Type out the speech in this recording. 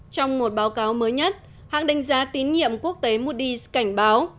trong một báo cáo mới nhất hãng đánh giá tín nhiệm quốc tế moody s cảnh báo